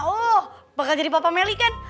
oh bakal jadi bapak meli kan